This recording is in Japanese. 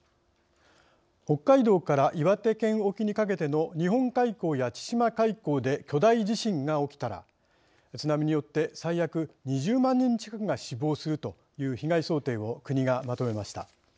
北海道から岩手県沖にかけての日本海溝や千島海溝で巨大地震が起きたら津波によって最悪２０万人近くが死亡するという被害想定を国がまとめました。